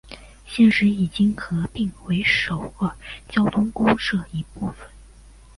现时已经合并为首尔交通公社一部分。